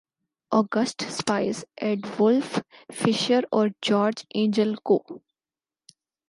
آ gist Spies ‘Adolph Fischer اور George Engel کو